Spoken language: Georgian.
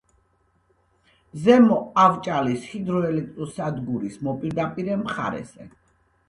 ზემო ავჭალის ჰიდროელექტროსადგურის მოპირდაპირე მხარეზე.